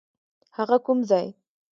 هغه کوم ځای؟